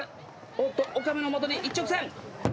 おっと岡部の元に一直線。